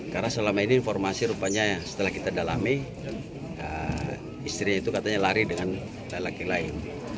karena selama ini informasi rupanya setelah kita dalami istrinya itu katanya lari dengan laki laki lain